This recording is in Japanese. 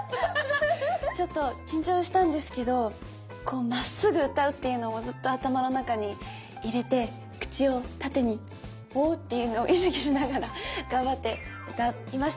ちょっと緊張したんですけどこうまっすぐ歌うっていうのをずっと頭の中に入れて口を縦にホーッていうのを意識しながら頑張って歌いました。